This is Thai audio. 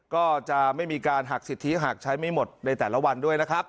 ก็จะไม่มีการหักสิทธิหากใช้ไม่หมดในแต่ละวันด้วยนะครับ